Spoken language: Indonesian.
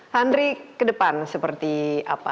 hendri ke depan seperti apa